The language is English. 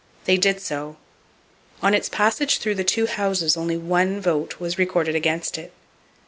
They did so. On its passage through the two houses, only one vote was recorded against it!